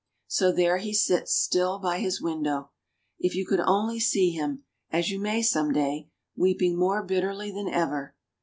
So there he still sits by his window, — if you could only see him, as you may some day, — weeping more bitterly than ever.